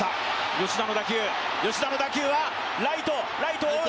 吉田の打球吉田の打球はライトライトを追う